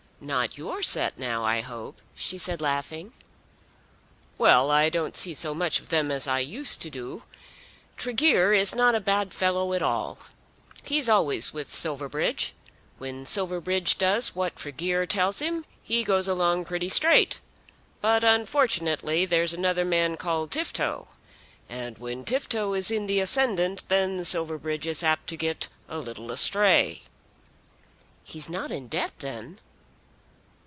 "Not your set, now, I hope," she said laughing. "Well; I don't see so much of them as I used to do. Tregear is not a bad fellow at all. He's always with Silverbridge. When Silverbridge does what Tregear tells him, he goes along pretty straight. But unfortunately there's another man called Tifto, and when Tifto is in the ascendant then Silverbridge is apt to get a little astray." "He's not in debt, then?"